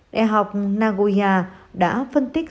đại học nagoya đã phân tích